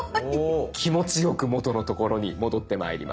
気持ちよく元の所に戻ってまいります。